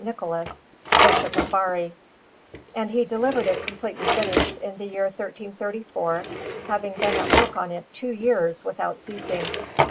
Nicholas, Bishop of Bari; and he delivered it completely finished in the year 1334, having been at work on it two years without ceasing.